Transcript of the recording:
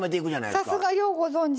さすがようご存じ。